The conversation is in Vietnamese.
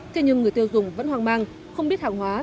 thế nhưng người tiêu dùng vẫn hoang mang không biết hàng hóa